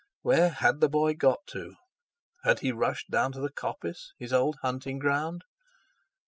Where had the boy got to? Had he rushed down to the coppice—his old hunting ground?